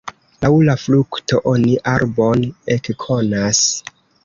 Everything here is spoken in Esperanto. Laŭ la frukto oni arbon ekkonas.